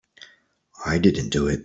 I didn't do it.